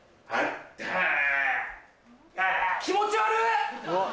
気持ち悪っ！